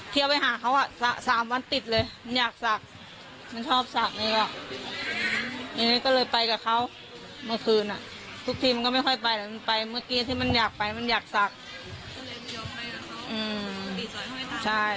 เทียบไปหาเขาอ่ะสามวันติดเลยมันอยากศักดิ์มันชอบศักดิ์เนี่ยก็เลยไปกับเขาเมื่อคืนอ่ะทุกทีมันก็ไม่ค่อยไปแล้วมันไปเมื่อกี้ที่มันอยากไปมันอยากศักดิ์